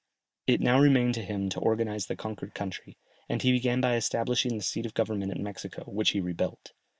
It now remained to him to organize the conquered country, and he began by establishing the seat of government at Mexico, which he rebuilt.